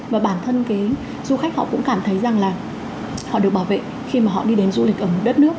và bản thân cái du khách họ cũng cảm thấy rằng là họ được bảo vệ khi mà họ đi đến du lịch ở một đất nước